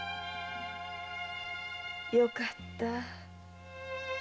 よかった。